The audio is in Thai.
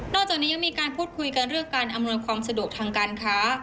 จากนี้ยังมีการพูดคุยกันเรื่องการอำนวยความสะดวกทางการค้า